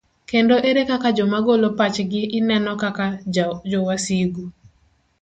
Kendo ere kaka joma golo pachgi ineno kaka jo wasigu?